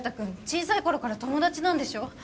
小さい頃から友達なんでしょ？